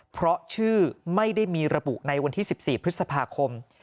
เพราะชื่อไม่ได้มีระบุในวันที่๑๔พฤษภาคม